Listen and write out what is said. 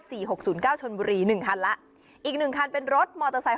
หกศูนย์เก้าชนบุรีหนึ่งคันแล้วอีกหนึ่งคันเป็นรถมอเตอร์ไซค์